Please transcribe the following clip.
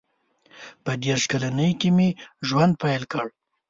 • په دېرش کلنۍ کې مې ژوند پیل کړ.